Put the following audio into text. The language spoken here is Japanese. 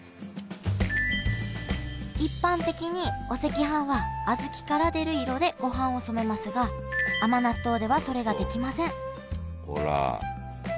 一般的にお赤飯は小豆から出る色でごはんを染めますが甘納豆ではそれができませんほら。